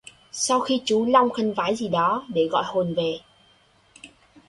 Sau khi chú long khấn vái gì đó để gọi hồn về